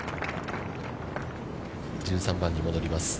１３番に戻ります。